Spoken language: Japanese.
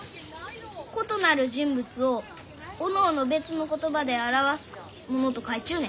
異なる人物をおのおの別の言葉で表すもの」と書いちゅうね。